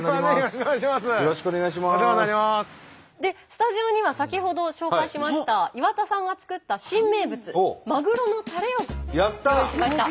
スタジオには先ほど紹介しました岩田さんが作った新名物まぐろのたれをやった！ご用意しました。